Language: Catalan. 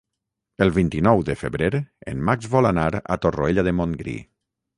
El vint-i-nou de febrer en Max vol anar a Torroella de Montgrí.